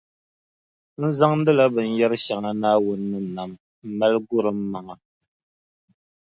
N zaŋdila binyɛrʼ shɛŋa Naawuni ni nam m-mali guri m maŋa.